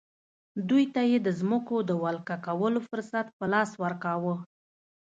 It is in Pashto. دوی ته یې د ځمکو د ولکه کولو فرصت په لاس ورکاوه.